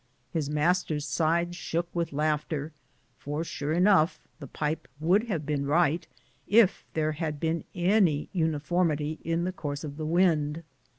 His master's sides shook CAMPING AMONG THE SIOUX. 53 with laughter, for sure enough the pipe Would have been right if there had been anj uniformity in the course of the wind.